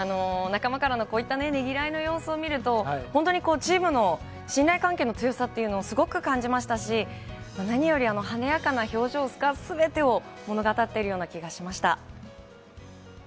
仲間からのこういった様子を見ると本当にチームの信頼関係の強さをすごく感じましたし何より晴れやかな表情が全てを物語っているような気がしました。